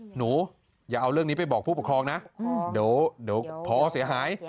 หนูอย่าเอาเรื่องนี้ไปบอกผู้ปกครองนะเดี๋ยวพอเสียหาย